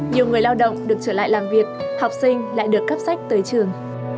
nhiều người lao động được trở lại làm việc học sinh lại được cắp sách tới trường